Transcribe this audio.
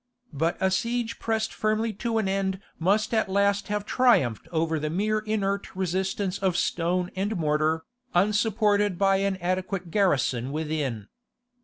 But a siege pressed firmly to an end must at last have triumphed over the mere inert resistance of stone and mortar, unsupported by an adequate garrison within.